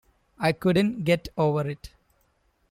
I couldn't get over it.